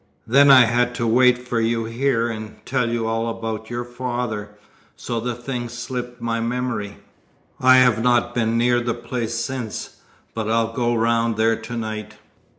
Then I had to wait for you here and tell you all about your father, so the thing slipped my memory. I have not been near the place since, but I'll go round there to night.